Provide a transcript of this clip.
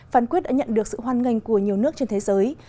phán quyết đã nhận được sự hoan nghênh của nhiều nước trên thế giới